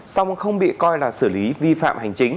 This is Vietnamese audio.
xong không bị coi là xử lý phòng